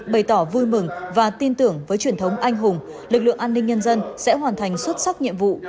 bày tỏ vui mừng và tin tưởng với truyền thống anh hùng lực lượng an ninh nhân dân sẽ hoàn thành xuất sắc nhiệm vụ